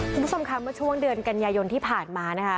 คุณผู้ชมค่ะเมื่อช่วงเดือนกันยายนที่ผ่านมานะคะ